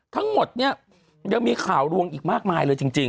ทั้งหมดเนี่ยยังมีข่าวลวงอีกมากมายเลยจริง